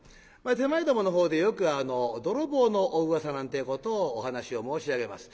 手前どものほうでよく泥棒のお噂なんてぇことをお噺を申し上げます。